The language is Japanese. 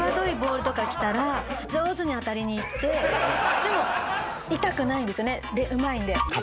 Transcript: でも痛くないんですよねうまいので。